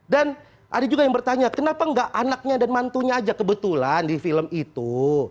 dan ada juga yang bertanya kenapa enggak anaknya dan mantunya aja kebetulan di film itu